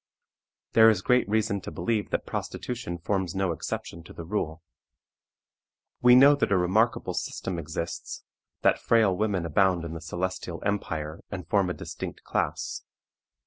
There is great reason to believe that prostitution forms no exception to the rule. We know that a remarkable system exists, that frail women abound in the Celestial Empire, and form a distinct class.